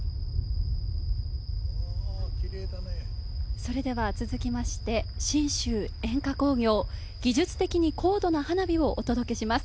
それでは続きまして、信州煙火工業、技術的な高度な花火をお届けします。